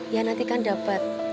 ya nanti kan dapet